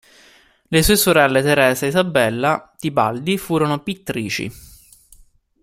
Le sue sorelle Teresa e Isabela Tibaldi furono pittrici.